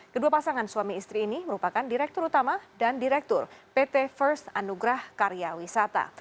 kedua pasangan suami istri ini merupakan direktur utama dan direktur pt first anugrah karya wisata